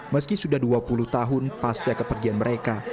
meski sudah dua puluh tahun pasca kepergian mereka